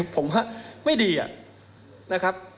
ผมว่าไม่ดีนะครับ